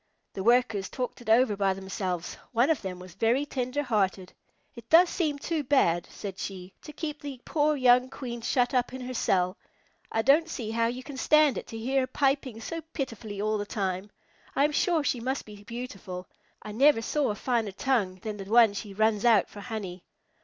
The Workers talked it over by themselves. One of them was very tender hearted. "It does seem too bad," said she, "to keep the poor young Queen shut up in her cell. I don't see how you can stand it to hear her piping so pitifully all the time. I am sure she must be beautiful. I never saw a finer tongue than the one she runs out for honey."